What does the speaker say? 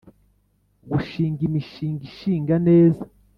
Gushinga imishinga ishinga neza